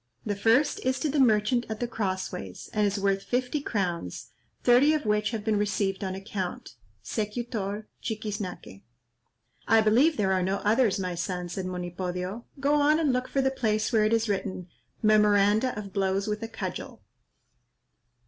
"The first is to the merchant at the Cross ways, and is worth fifty crowns, thirty of which have been received on account. Secutor, Chiquiznaque. "I believe there are no others, my son," said Monipodio; "go on and look for the place where it is written, 'Memoranda of blows with a cudgel.'"